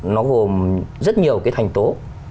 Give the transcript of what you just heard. nó gồm rất nhiều cái thành tố